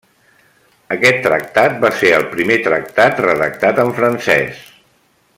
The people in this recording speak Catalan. Aquest tractat va ser el primer tractat redactat en francès.